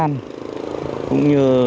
cũng như là các phương tiện của các đối tượng